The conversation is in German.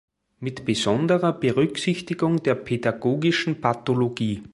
Mit besonderer Berücksichtigung der pädagogischen Pathologie".